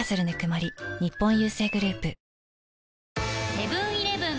セブン−イレブン